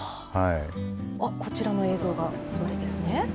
こちらの映像がそれですね。